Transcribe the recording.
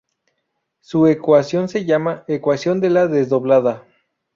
Su ecuación se llama ecuación de la desdoblada.